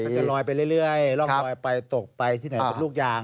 จะลอยไปเรื่อยร่องลอยไปตกไปที่ไหนเป็นลูกยาง